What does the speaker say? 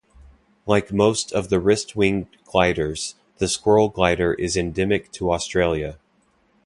Like most of the wrist-winged gliders, the squirrel glider is endemic to Australia.